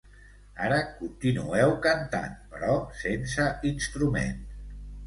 Ara continuen cantant, però sense instruments.